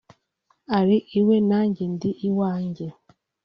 ari iwe nanjye ndi iwanjye